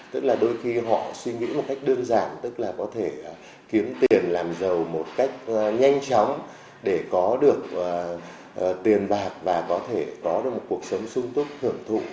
tức là đôi khi họ suy nghĩ một cách đơn giản tức là có thể kiếm tiền làm giàu một cách nhanh chóng để có được tiền bạc và có thể có được một cuộc sống sung túc hưởng thụ